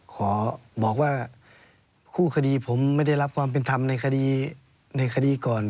ขอบอกว่าคู่คดีผมไม่ได้รับความเป็นธรรมในคดีในคดีก่อน